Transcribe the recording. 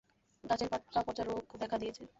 গাছের পাতা পচা রোগ দেখা দিয়েছে।